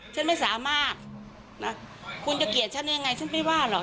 ฉันไม่สามารถนะคุณจะเกลียดฉันยังไงฉันไม่ว่าหรอก